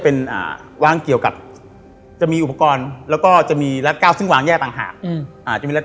เข้าไปเนี่ยหรือถ้าเรายืนอยู่ตรงหน้าประตูข้อง